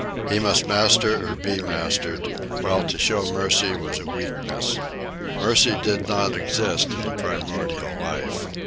He must master or be mastered; while to show mercy was a weakness. Mercy did not exist in the primordial life.